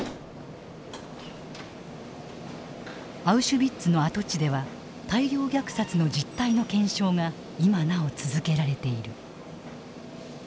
アウシュビッツの跡地では大量虐殺の実態の検証が今なお続けられている。